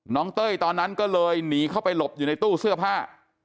เต้ยตอนนั้นก็เลยหนีเข้าไปหลบอยู่ในตู้เสื้อผ้า